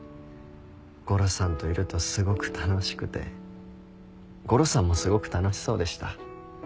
ゴロさんといるとすごく楽しくてゴロさんもすごく楽しそうでした。